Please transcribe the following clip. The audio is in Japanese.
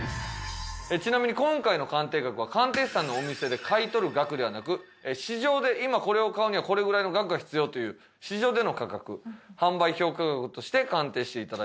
ちなみに今回の鑑定額は鑑定士さんのお店で買い取る額ではなく市場で今これを買うにはこれぐらいの額が必要という市場での価格販売評価額として鑑定して頂いております。